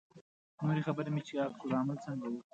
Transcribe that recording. نورې خبرې مې چې عکس العمل څنګه و.